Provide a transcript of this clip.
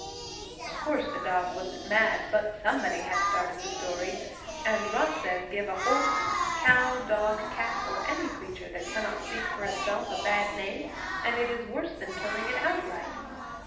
Of course, the dog wasn't mad, but somebody had started the story; and Ross says give a horse, cow, dog, cat, or any creature that cannot speak for itself, a bad name and it is worse than killing it outright.